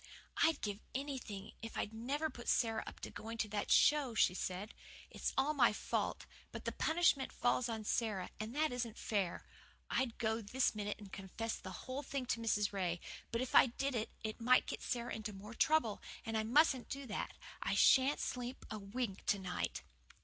"I'd give anything if I'd never put Sara up to going to that show," she said. "It's all my fault but the punishment falls on Sara, and that isn't fair. I'd go this minute and confess the whole thing to Mrs. Ray; but if I did it might get Sara into more trouble, and I mustn't do that. I sha'n't sleep a wink to night."